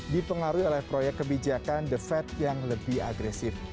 dipengaruhi oleh proyek kebijakan the fed yang lebih agresif